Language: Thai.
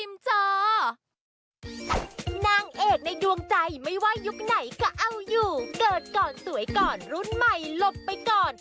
โปรดติดตามตอนต่อไป